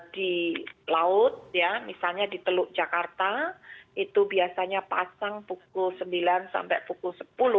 di laut ya misalnya di teluk jakarta itu biasanya pasang pukul sembilan sampai pukul sepuluh